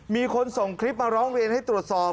มีคนส่งคลิปมาร้องเรียนให้ตรวจสอบ